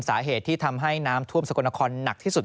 สาเหตุที่ทำให้น้ำท่วมสกลนครหนักที่สุด